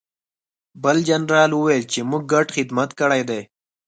بل جنرال وویل چې موږ ګډ خدمت کړی دی